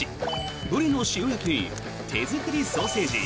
ブリの塩焼きに手作りソーセージ。